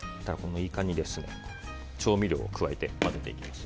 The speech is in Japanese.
イカに調味料を加えて混ぜていきます。